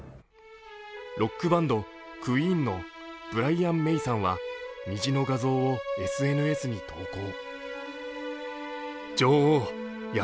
ロックバンド、クイーンのブライアン・メイさんは虹の画像をＳＮＳに投稿。